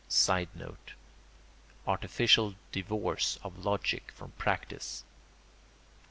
[Sidenote: Artificial divorce of logic from practice.